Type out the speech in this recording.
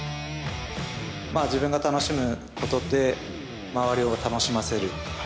自分が楽しむことで周りを楽しませる。